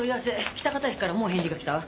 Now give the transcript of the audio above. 喜多方駅からもう返事がきたわ。